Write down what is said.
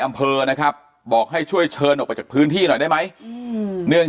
อำเภอนะครับบอกให้ช่วยเชิญออกไปจากพื้นที่หน่อยได้ไหมเนื่อง